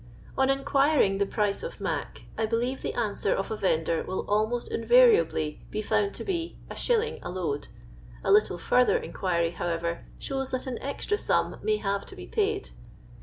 On inquiring the price of " mac," I believe the answer of a vendor will almost invariably be found to be "a shilling a load;*' a little further in quiry, however, shows that an extra sum may have to be p<iid.